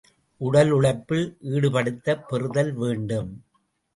உடல், உழைப்பில் ஈடுபடுத்தப் பெறுதல் வேண்டும்.